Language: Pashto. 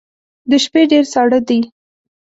د شپې ډیر ساړه دی